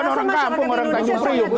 saya rasa masyarakat indonesia sangat cerdas